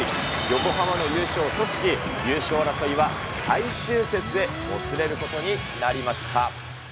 横浜の優勝を阻止し、優勝争いは最終節へもつれることになりました。